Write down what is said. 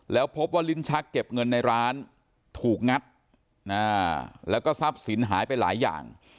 แล้วพบว่าลิ้นชักเก็บเงินในร้านถูกงัดแล้วก็ทรัพย์สินหายไปหลายอย่าง